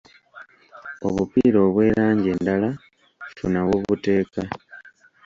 Obupiira obw'erangi endala funa w'obuteeka.